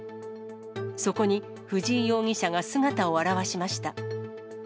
そこに藤井容疑者が姿を現しました。